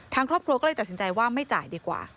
ทางครอบครัวก็เลยตัดสินใจว่าไม่จ่ายดีกว่า